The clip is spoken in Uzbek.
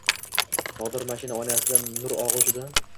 Nodir mashina oynasidan nur og‘ushida